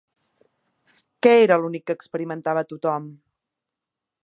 Què era l'únic que experimentava tothom?